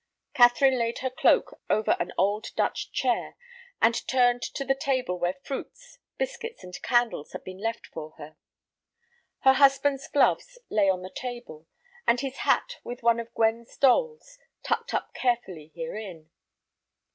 Catherine laid her cloak over an old Dutch chair, and turned to the table where fruits, biscuits, and candles had been left for her. Her husband's gloves lay on the table, and his hat with one of Gwen's dolls tucked up carefully herein.